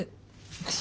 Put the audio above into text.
よし！